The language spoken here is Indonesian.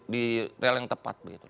di rel yang tepat begitu